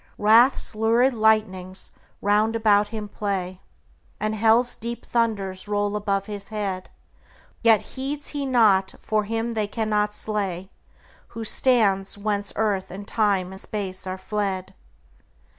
Wrath's lurid lightnings round about him play, And hell's deep thunders roll about his head; Yet heeds he not, for him they cannot slay Who stands whence earth and time and space are fled.